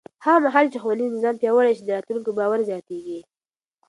هغه مهال چې ښوونیز نظام پیاوړی شي، د راتلونکي باور زیاتېږي.